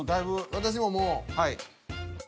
私ももう。